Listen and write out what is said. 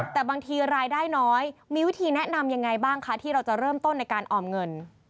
แต่บางทีรายได้น้อยมีวิธีแนะนำยังไงบ้างคะที่เราจะเริ่มต้นในการออมเงิน